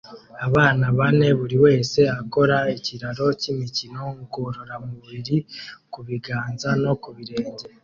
Abana bane buri wese akora ikiraro cyimikino ngororamubiri ku biganza no ku birenge